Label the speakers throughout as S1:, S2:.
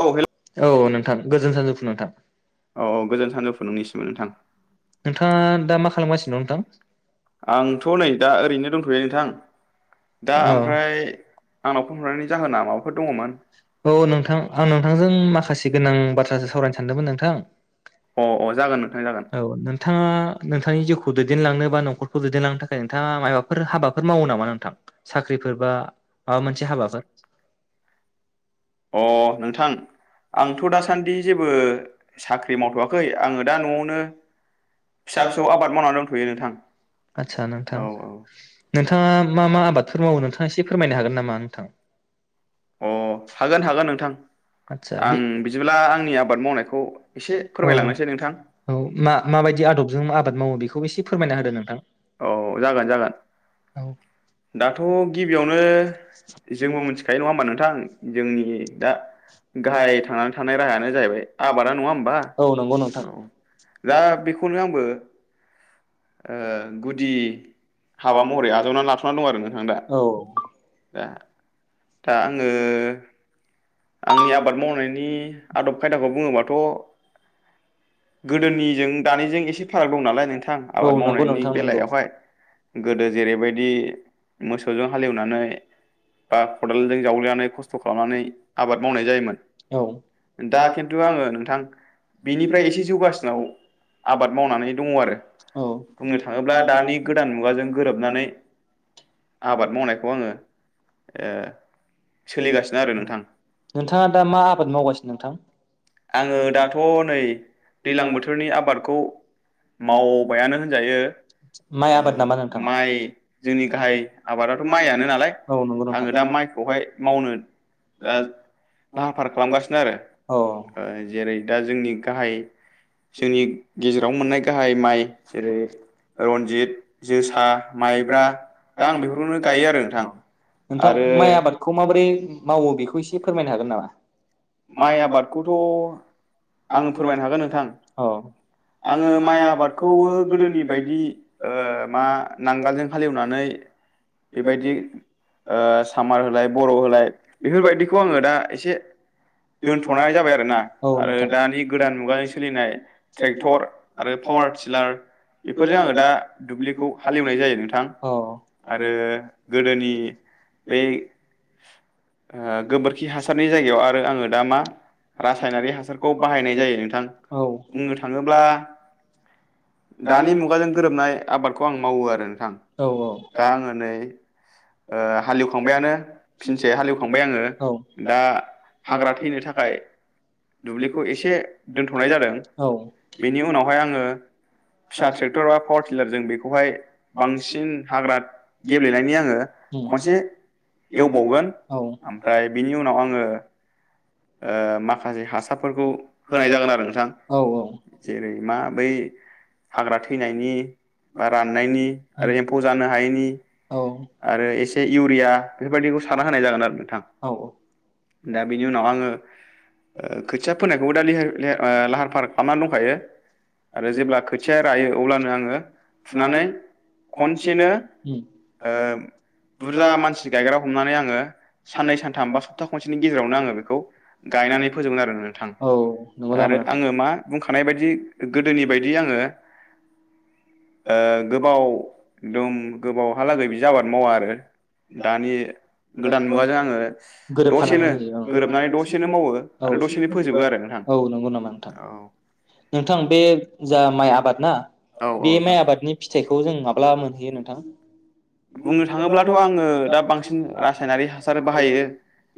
S1: औ औ नोंथां गोजोन सानजु नोंथां औ नोंथाङा दा मा खालामगासिनो दं नोंथां आंथ' नै दा ओरैनो दंथ'यो नोंथां दा ओ ओमफ्राय आं [unintelligible] औ नोंथां आं नोंथांजों माखासे गोनां बाथ्रासो सावरायनो सानदोंमोन नोंथां थां अ जागोन दे औ नोंथाङा नोंथांनि जिउखौ दैदेनलांनो बा न'खरखौ दैदेनलांनो थाखाय नोंथाङा माइबाफोर हाबाफोर मावो नामा नोंथां साख्रिफोर बा मा मोनसे हाबाफोर
S2: अ
S1: नोंथां आंथ' दासान्दि जेबो साख्रि मावथ'वाखै आं दा इदिनो फिसा फिसौ आबाद मावना दंथ'यो नोंथां। आदसा नोंथां नोंथाङा मा मा आबादफोर मावो नोंथाङा एसे फोरमायनो हागोन नामा नोंथां? अ हागोन हागोन नोंथां। आदसा आं बिदिब्ला आंनि आबाद मावनायखौ एसे फोरमायना होनोसै नोंथां। औ मा माबायदि आदबजों आबाद माव [inaudible] बेखौबो एसे फोरमायना होदो नोंथां औ जागोन जागोन औ दाथ' गिबियावनो जोंङो मिथिखायो नङा होनबा नोंथां जोंनि दा गाहाय जिउखांनाय राहायानो जाहैबाय आबादानो नङा होनबा औ नंगौ नोंथां। दा बेखौनो आंबो
S2: ओ गुदि हाबा महरै आजावनानै लाथ'ना दं आरो नोंथां दा दा दा आङो आंनि आबाद मावनायनि आदब खायदाखौ बुङोबाथ' गोदोनिजों दानिजों एसे फाराग दं नालाय नोंथां आबाद मावनायनि बेलायावहाय गोदो जेरैबायदि मोसौजों हालेवनानै बा खदालजों जावग्लिनानै खस्थ' खालामनानै आबाद मावनाय जायोमोन दा खिन्थु आङो नोंथां बिनिफ्राय एसे जौगासिनाव आबाद मावनानै दङ आरो बुंनो थाङोब्ला दानि गोदान मुगाजों गोरोबनानै आबाद मावनायखौ आङो ओशसोलिगासिनो आरो नोंथां
S1: [inaudible]
S2: आङो दाथ' नै दै्लां बोथोरनि आबादखौ मावबायानो होनजायो ओ माइ जोंनि गाहाय आबादाथ' माइयानो नालाय आङो दा माइखौहाय मावनो ओ लाहार फाहार खालामगासिनो आरो ओ जेरै दा जोंनि गाहाय जोंनि गेजेराव मोननाय गाहाय माइ जेरै रनजित, जोसा, माइब्रा दा आं बेफोरखौनो गायो आरो नोंथां आरो
S1: बोरै मावो बेखौ एसे फोरमायनो हागोन नामा?
S2: माइ आबादखौथ' आङो फोरमायनो हागोन नोंथां आङो माइ आबादखौबो गोदोनि बायदि ओ मा नांगोलजों हालेवनानै बेबायदि ओ सामार होलाय बर' होलाय बेफोरबायदिखौ आङो दा एसे दोनथ'नाय जाबाय आरोोना आरो दानि गोदान मुगा जोंस सोलिनाय ट्रेक्टर आरो पावार टिलार बेफोरजों आङो दा दुब्लिखौ हालेवनाय जायो नोंथां आरो गोदोनि बै गोबोरखि हासारनि जायगायाव आरो आरो आङो दा मा रासायनारि हासारखौ बाहायनाय जायो नोंथां बुंनो थाङोब्ला दानि मुगाजों गोरोबनाय आबादखौ आं मावो आरो नोंथां दा आङो नै हालेवखांबायानो फिनसे हालेवखांबाय आङो दा हाग्रा थैनो थाखाय
S1: औ [unintelligible] ओम [unintelligible] औ
S2: माखासे हासारफोरखौ होनाय जागोन आरो नोंथां जेरै मा बै हाग्रा थैनायनि बा राननायनि आरो एम्फौ जानो हायैनि आरो एसे इउरिया बेफोरबायदिखौ सारना होनाय जागोन आरो नोंथां दा बिनि उनाव आं खोथिया फोनायखौबो दा लाहार फाहार खालामनानै दंखायो आरो जेब्ला खोथिया रायो अब्लानो आङो फुनानै खनसेनो बुरजा मानसि गायग्रा हमनानै आङो साननै सानथाम बा सप्ता खनसे नि गेजेरावनो आङो बेखौ गायनानै फोजोबगोन आरो नोंथां आरो आङो मा बुंखानाय बदि गोदोनि बायदि आङो ओ गोबाव एकदम गोबावहालागै बिदि आबाद मावा आरो दानि गोदान मुगाजों आङो
S1: [unintelligible] औ नंगौ नामा नोंथां नोंथां बे जा माइ आबाद ना
S2: औ औ नोंथां बुंनो थाङोब्लाथ' आङो दा बांसिन रासायनारि हासार बाहायो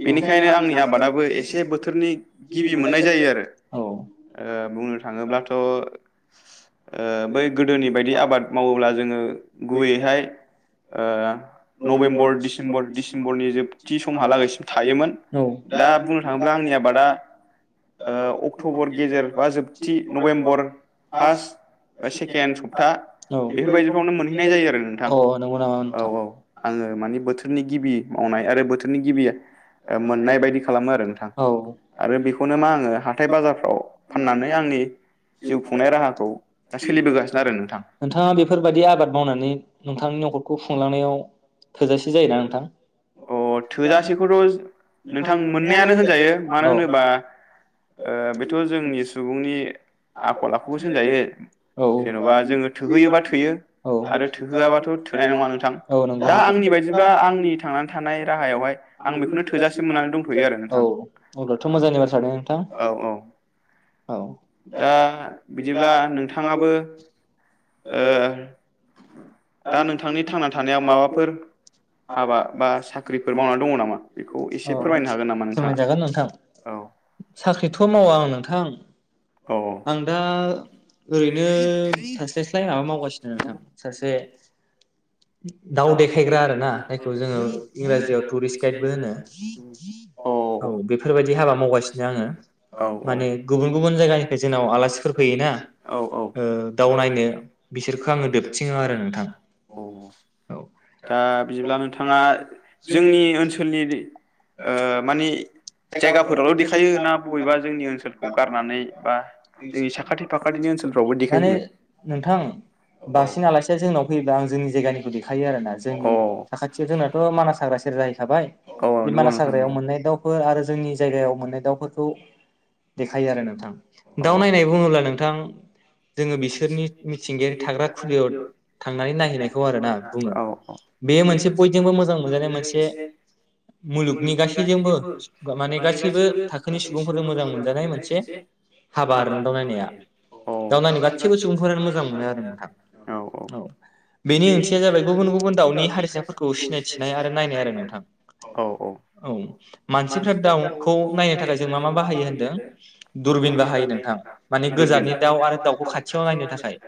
S2: बेनिखायनो आंनि आबादाबो एसे बोथोरनि गिबि मोननाय जायो आरो बुंनो थाङोब्लाथ' ओ बै गोदोनि बायदि आबाद मावोब्ला जोङो गुबैयैहाय ओ नभेम्बर डिसेम्बर डिसेम्बरनि जोबथि समहालागैसिम थायोमोन दा बुंनो थाङोब्ला आंनि आबादा ओ अक्ट'बर गेजेर बा जोबथि नभेम्बर फार्स्ट बा सेकेन्ड सप्ता बेफोरबायदिफ्रावनो मोनहैनाय जायो आरो नोंथां औ औ आङो माने बोथोरनि गिबि मावनाय आरो बोथोरनि गिबि मोननाय बायदि खालामो आरो नोंथां आरो बेखौनो मा आङो हाथाय बाजारफ्राव फाननानै आंनि जिउ खुंनाय राहाखौ
S1: नोंथाङा बेफोरबायदि आबाद मावनानै नोंथां न'खरखौ खुंलांनायाव
S2: अ थोजासेखौथ' नोंथां मोननायानो होनजायो मानो होनोबा बेथ' जोंनि सुबुंनि आखल आखुबोसो होनजायो।
S1: औ औ औ नंगौ
S2: आंनि बायदिबा आंनि थांनानै थानाय राहायावहाय आं बेखौनो थोजासे मोननानै दंथ'यो आरो नोंथां औ औ दा बिदिब्ला नोंथां
S1: फोरमायजागोन नोंथां साख्रिथ' मावा औ नोंथां आं दा ओरैनो थास्लायस्लाय माबा मावगासिनो नोंथां सासे दाउ देखायग्रा आरो ना जायखौ जोङो इंराजियाव टुरिस्ट गाइदबो होनो औ बेफोरबायाददि हाबा मावगासिनो आङो माने गुबुन गुबुन जायगानिफ्राय जोंनाव आलासिफोर फैयोना। दावनायनो बिसोरखौ आङो दोबथिङो आरो नोंथां।
S2: दा बिदिब्ला नोंथाङा जोंनि ओनसोलनि ओ मानि जायगाफोरावल' देखायो ना बबेबा जोंनि ओनसोलखौ गारनानै बा जोंनि साखाथि फाखाथि
S1: माने नोंथां बांसिन आलासिया जोंनाव फैयोबा आं जोंनि जायगानिखौ देखा थायो आरोना जोंनि साखाथियाव जोंनाथ' मानास हाग्रा सेर जाहै खाबाय बे मानास हाग्रायाव मोननाय दाउ फोर आरो जोंनि जायगायाव मोननाय दाउफोरखौ देखायो आरो नोंथां। दाउ नायनाय बुङोब्ला नों उम जोङो बिसोरनि मिथिंगायारि थाग्रा खुलियाव थांनानै नायहैनायखौ आरो ना बुङो बेयो मोनसे बयजोंबो मोजां मोनजानाय मोनसे मुलुगनि गासैजोंबो माने गासैबो थाखोनि सुबुंफोरजों मोजां मोनजानाय मोनसे हाबा आरो ना दाउ नायनाया दाउ नायनो गासैबो सुबुंफोरानो मोजां मोनो आरो नोंथां औ बेनि ओंथिया जाबाय गुबुन गुबुन दाउनि हारिसाफोरखौ सिनायथिनाय आरो नायनाय आरो नोंथां औ मानसिफ्रा दाउखौ नायनो थाखाय जों मा मा बाहायो होनदों दुरबिन बाहायो नोंथां माने गोजाननि दाउ आरो दाउखौ खाथि खाथियाव नायनो थाखाय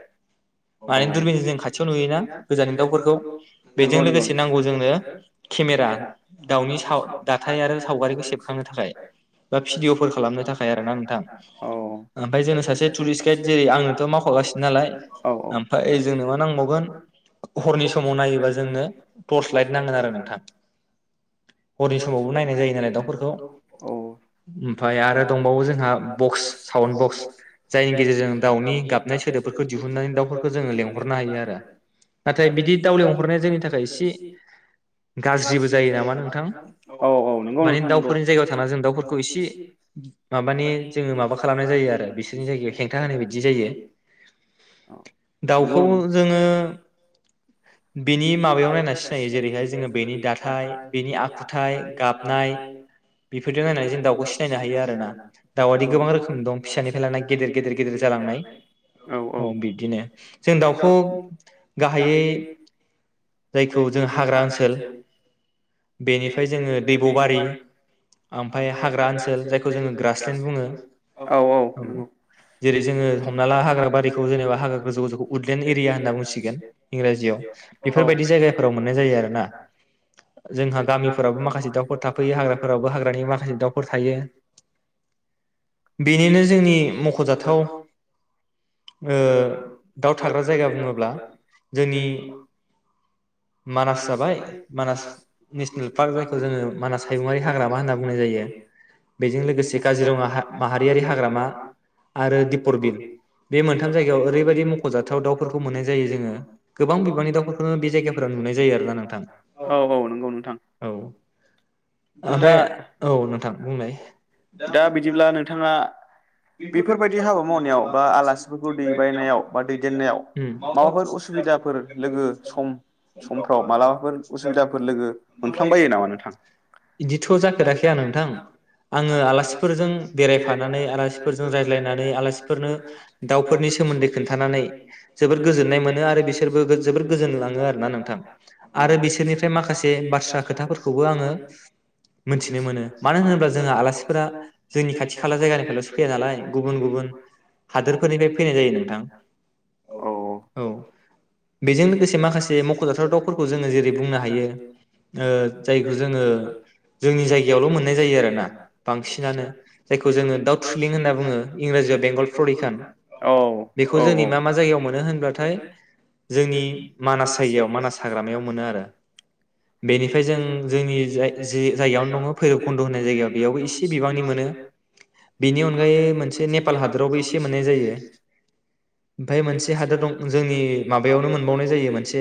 S1: माने दुरबिन जों खाथियाव नुययोना गोजाननि दाउफोरखौ बेजों लोगोसे नांगौ जोंनो केमेरा दाउनि साव दाथाय आरो सावगारिखौ सेबखांनो थाखाय बा भिडिअफोर खालामनो थाखाय आरो ना नोंथां ओमफाय जोंनो टुरिस गाइद जेरै आंनोथ' मा नालाय ओमफाय जोंनो मा नांबावगोन हरनि समाव नायोबा जोंनो टर्स लाइट नांगोन आरो नोंथां हरनि समावबो नायनाय जायो नालाय दाउफोरखौ ओमफ्राय आरो दंबावो जोंहा बक्स साउन्ड बक्स नि गेजेरजों दाउनि गाब
S2: औ औ नोंगौ नोंथां नोंगौ।
S1: सोरनि जायगायाव हेंथा होनाय बायदि जायो। दाउखौ जोङो बेनि माबायाव नायना सिनायो जेरैहाय जोङो बेनि दाथाय बेनि आखुथाइ गाबनाय बेफोरजों नायनानै जों दाउखौ सिनायनो हायो आरो ना दावादि गोबां रोखोम दं फिसानिफ्राय लाना गि गिदिर गिदिर गिदिर जालांनाय औ बिब्दिनो जों दाउखौ गाहायै
S2: औ औ।
S1: जेरै जोङो हमना ला हाग्रा बारिखौ जेनेबा हाग्रा गोजौ गोजौखौ उदलेण्ड एरिया होनना बुंसिगोन इंराजियाव बेफोरबायदि जायगा फोराव मोननाय जायो आरोना जोंहा गामिफोरावबो माखासे दाउफोर थाफैयो हाग्राफोरावबो हाग्रानि माखासे दाउफोर थायो बेनिनो जोंनि मख'जाथाव ओ दाउ थाग्रा जायगा बुङोब्ला जोंनि मानास जाबाय मानास नेसनेल पार्क जायखौ जोङो मानास हायुङारि हाग्रामा होनना बुंनाय जायो बेजों लोगोसे काजिरङा हा माहारियारि हाग्रामा। आरो दिपर बिल बे मोनथाम जायगायाव ओरैबायदि मखजाथाव दाउफोरखौ मोननाय जायो जोङो गोबां बिबांनि दाउफोरखौनो बे जायगाफोराव नुनाय जायो आरोना नोंथां औ औ औ। ओमफ्राय औ नोंथां बुंलाय।
S2: बेफोरबायदि हाबा मावनायाव बा आलासिफोरखौ दैबायनायाव बा दैदेननायाव माबाफोर उसुबिदाफोर लोगो सम समफ्राव मालाबाफोर उसुबिदाफोर लोगो मोनफ्लांबायो नामा नोंथां?
S1: बिदिथ' जाफेराखै आं नोंथां आङो आलासिफोरजों बेरायफानानै आरो फोरजों रायज्लायनानै आलासिफोरनो दाउफोरनि सोमोन्दै खोन्थानानै जोबोर गोजोननाय मोनो आरो बिसोरबो जोबोर गोजोनलाङो आरोना नोंथां आरो बिसोरनिफ्राय माखासे बाथ्रा खोथाफोरखौबो आङो मोनथिनो मोनो मानो होनोब्ला जोंहा आलासिफोरा जोंनि खाथि खाला जायगानिफ्रायल' फैया नालाय गुबुन गुबुन हादोरफोरनिफाय फैनाय जायो नोंथां औ बेजों लोगोसे माखासे मख'जाथाव दाउफोरखौ जोङो जेरै बुंनो हायो ओ जायखौ जों ओ जोंनि जागायावल' मोननाय जायो आरोना बांसिनानो जायखौ जोङो दाउ फिलिं होनना बुङो इंराजियाव बेंगल प्रडिखान बेखौ जोंनि मा मा जायगायाव मोनो होनब्लाथाय जोंनि मानास जायगायाव मानास हाग्रामायाव मोनो आरो। बेनिफाय जों जोंनि जाय जि जायगायावनो दङ भैरबकुन्द होननाय जायगायाव बेयावबो एसे बिबांनि मोनो। बेनि अनगायै मोनसे नेपाल हादोरावबो एसे मोननाय जायो ओमफाय मोनसे हादर दं जोंनि माबायावनो मोनबावनाय जायो मोनसे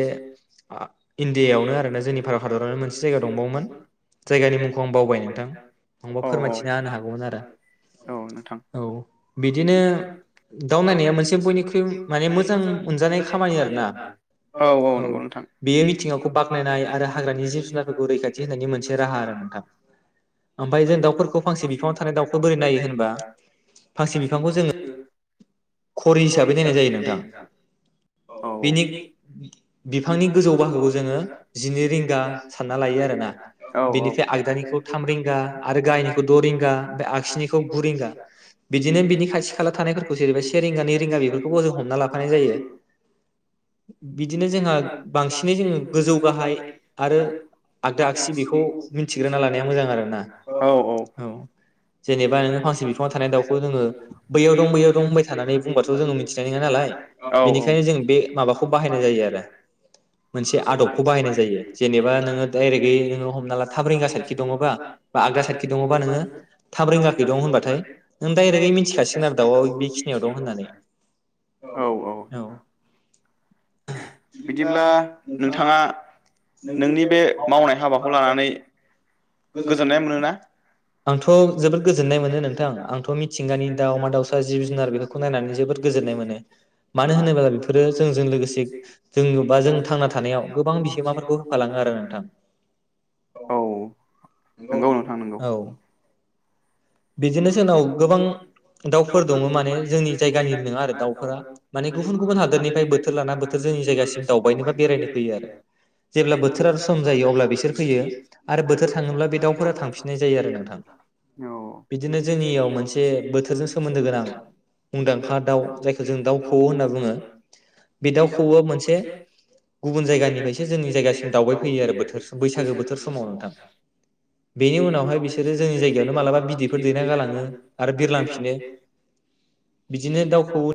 S1: आ इन्डियायावनो आरोना जोंनि हादरावनो मोनसे जायगा दंबावोमोन जायगानि मुंखौ आं बावबाय नोंथां नंबा फोरमायथिना होनो हागौमोन आरो। औ। बिदिनो दाउ नायनाया मोनसे बयनिख्रुइ माने मोजां अनजानाय खामानि आरोना औ बेयो मिथिंगाखौ बाख्नायनाय आरो हाग्रानि जिब जुनारफोरखौ रैखाथि होननि मोनसे राहा आरो नोंथां ओमफाय जों दाउफोरखौ फांसे बिफाङाव थानाय दाउखौ बोरै
S2: नायो होनबा
S1: फांसे बिफांखौ जोङो घरि हिसाबै नायनाय जायो नोंथां बेनि बिफांनि गोजौ बाहागोखौ जोङो जिनै रिंगा सानना लायो आरोना बेनिफ्राय आगदानिखौ थाम रिंगा आरो गायहायनिखौ द रिंगा ओमफाय आगसिनि गु रिंगा बिदिनो बिनि खाथि खाला थानायफोरखौ जेरैबा से रिंगा नै रिंगा बेफोरखौबो हमना लाफानाय जायो बिदि
S2: बिदिनो जोंहा बांसिनै जोङो गोजौ गाहाय आरो आगदा आगसि बेखौ मिथिग्रोना लानाया मोजां आरोना।
S1: जेनेबा नोङो फांसे बिफाङाव थानाय दाउखौ जोङो बैयाव दं बैयाव दं होनबाय थानानै बुंबाथ' जोङो मिथिनाय नङा नालाय बेनिखायनो जों बे माबाखौ बाहायनाय जायो आरो मोनसे आदबखौ बाहायनाय जायो जेनेबा नोङो डाइरेक्टयै नोङो हमना ला थाम रिंगा साइदखि दङबा बा आगदा साइदखि दङबा नोङो थाम रिंगाखै दं होनबाथाय नों दडाइरेक्टयै मिथिखासिगोन आरो दावा बेखिनियाव दं होननानै औ।
S2: बिदिब्ला नोंथाङा नोंनि बे मावनाय हाबाखौ लानानै
S1: गोजोननाय मोनदोंना? आंथ' जोबोद गोजोननाय मोनो नोंथां आंथ' मिथिंगानि दाउमा दाउसा जिब जुनार बेफोरखौ नायनानै जोबोद गोजोननाय मोनो मानो होनोब्ला बिफोरो जोंजों लोगोसे जों नुबा जों थांना थानायाव गोबां बिहोमाफोरखौ फालाङो आरो नोंथां औ नोंगौ [unintelligible] औ
S2: बिदिनो जोंनाव गोबां दाउफोर दङ' माने जोंनि जायगानि नङा आरो दाउफोरा माने गुबुन गुबुन हादोरनिफ्राय बोथोर लानानै जोंनि जायगासिम दावबानोबा बेरायनो फैयो आरो जेब्ला बोथोर आरो सम जायो अब्ला बिसोर फैयो आरो बोथोर थाङोब्ला बे दाउफोरा थांफिननाय जायो आरो नोंथां। औ
S1: बिदिनो जोंनियाव मोनसे बोथोरजों सोमोन्दो गोनां मुंदांखा दाउ जायखौ जों दाउ खौवौ होनना बुङो बे दाउ खौवोआ मोनसे गुबुन जायगानिफायसो जोंनि जायगासिम दावउबाय फैयो आरो बोथोरस बैसागो बोथोर समाव नोंथां बेनि उनावहाय बिसोरो जोंनि जायगायावनो मालाबा बिदि फोर दैना गालाङो आरो बिरलांफिनो बिदिनो दाउखौ